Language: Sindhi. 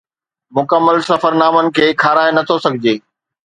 مڪمل سفرنامن کي کارائي نه ٿو سگهجي